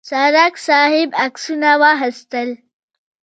څرک صاحب عکسونه واخیستل.